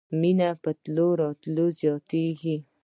مېنه په تلو راتلو زياتېږي.